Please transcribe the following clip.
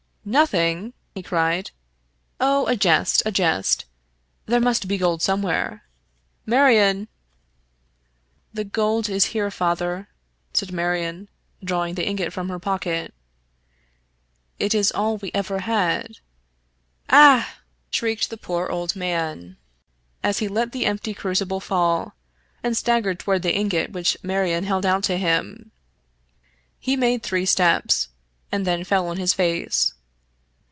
" Nothing! " he cried. " Oh, a jest, a jest! There must be gold somewhere. Marion I " "The gold is here, father," said Marion, drawing the ingot from her pocket ;" it is all we ever had." " Ah !" shrieked the poor old man, as he let the empty crucible fall, and staggered toward the ingot which Marion held out to him. He made three steps, and then fell on his face.